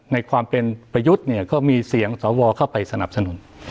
ในความเป็นประยุทธ์เนี่ยก็มีเสียงสวเข้าไปสนับสนุน